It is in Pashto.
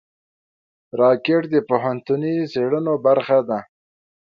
راکټ د پوهنتوني څېړنو برخه ده